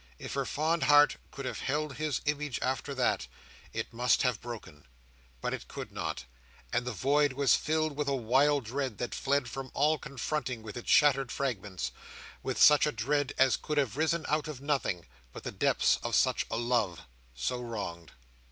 If her fond heart could have held his image after that, it must have broken; but it could not; and the void was filled with a wild dread that fled from all confronting with its shattered fragments—with such a dread as could have risen out of nothing but the depths of such a love, so wronged.